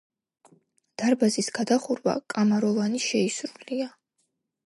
დარბაზის გადახურვა კამაროვანი შეისრულია.